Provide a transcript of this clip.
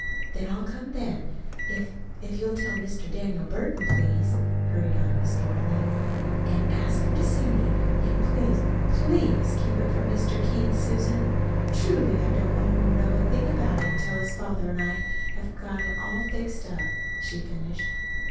"Then I'll come then. If if you'll tell Mr. Daniel Burton, please," hurried on Miss Dorothy, "and ask him to see me. And please, PLEASE keep it from Mr. Keith, Susan. Truly, I don't want him to know a thing about it till his father and I have have got it all fixed up," she finished.